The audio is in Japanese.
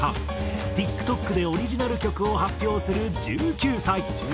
ＴｉｋＴｏｋでオリジナル曲を発表する１９歳。